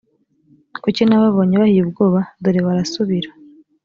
kuki nababonye bahiye ubwoba dore barasubira